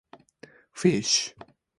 fish